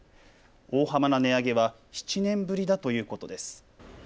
大幅な値上げは７年ぶりだということです。